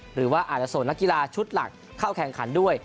หรือว่าอาจจะส่งนักกีฬาชุดหลักเข้าแข่งขันด้วย